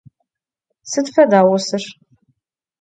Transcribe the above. Sıd feda vosır?